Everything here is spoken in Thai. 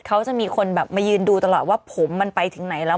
เขาจะมีคนแบบมายืนดูตลอดว่าผมมันไปถึงไหนแล้ว